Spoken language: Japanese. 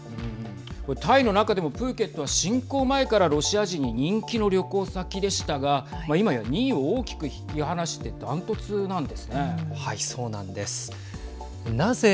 これタイの中でもプーケットは侵攻前からロシア人に人気の入旅先でしたが今や２位を大きく引き離してダントツなんですね。